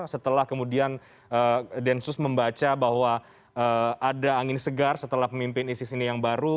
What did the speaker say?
setelah kemudian densus membaca bahwa ada angin segar setelah pemimpin isis ini yang baru